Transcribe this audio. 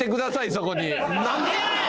そこに何でやねん！